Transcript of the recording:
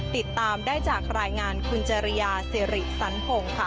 ติดตามได้จากรายงานคุณจริยาสิริสันพงศ์ค่ะ